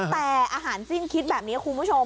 แต่อาหารสิ้นคิดแบบนี้คุณผู้ชม